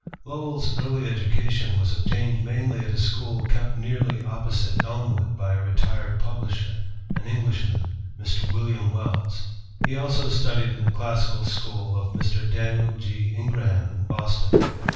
] Lowell's early education was obtained mainly at a school kept nearly opposite Elmwood by a retired publisher, an Englishman, Mr. William Wells. He also studied in the classical school of Mr. Danial G. Ingraham in Boston.